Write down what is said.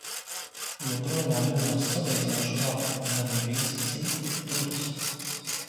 Joprojām jūtos salīdzinoši labi un arī visi citi turas.